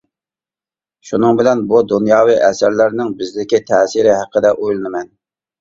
شۇنىڭ بىلەن بۇ دۇنياۋى ئەسەرلەرنىڭ بىزدىكى تەسىرى ھەققىدە ئويلىنىمەن.